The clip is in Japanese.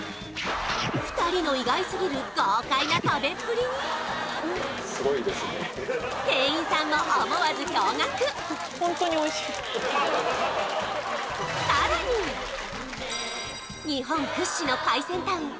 ２人の意外すぎる豪快な食べっぷりに店員さんも思わず驚愕日本屈指の海鮮タウン